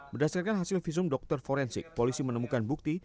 berdasarkan hasil visum dokter forensik polisi menemukan bukti